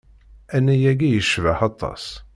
Annay-agi icbeḥ aṭas.